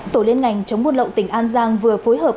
tổ liên ngành chống buôn lậu tỉnh an giang vừa phối hợp